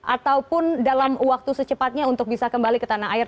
ataupun dalam waktu secepatnya untuk bisa kembali ke tanah air